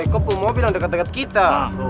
eh kok pemobil yang deket deket kita